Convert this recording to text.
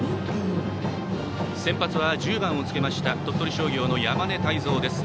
先発は１０番をつけました鳥取商業の山根汰三です。